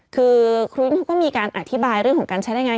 คือครุ้นเขาก็มีการอธิบายเรื่องของการใช้ได้งาน